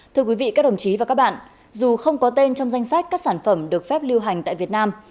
thưa quý vị các đồng chí và các bạn dù không có tên trong danh sách các sản phẩm được phép lưu hành tại việt nam